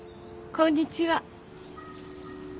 こんちは。